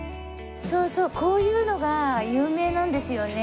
そうそうこういうのが有名なんですよね。